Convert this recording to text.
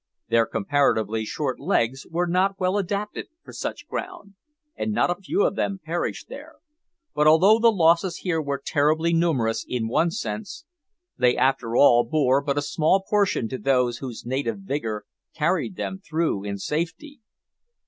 Their comparatively short legs were not well adapted for such ground, and not a few of them perished there; but although the losses here were terribly numerous in one sense, they after all bore but a small proportion to those whose native vigour carried them through in safety.